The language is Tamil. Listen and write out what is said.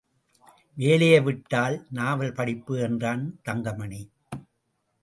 வேலையை விட்டால் நாவல் படிப்பு என்றான் தங்கமணி.